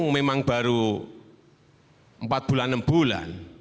memang baru empat bulan enam bulan